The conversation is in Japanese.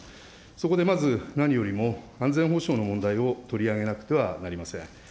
そこでまず何よりも、安全保障の問題を取り上げなくてはなりません。